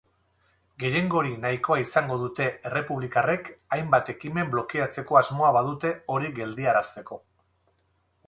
Gehiengo hori nahikoa izango dute errepublikarrek hainbat ekimen blokeatzeko asmoa badute hori geldiarazteko.